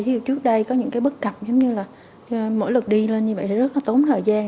ví dụ trước đây có những cái bất cập giống như là mỗi lượt đi lên như vậy thì rất là tốn thời gian